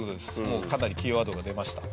もうかなりキーワードが出ました。